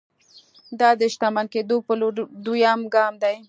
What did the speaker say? دا د شتمن کېدو پر لور دويم ګام دی.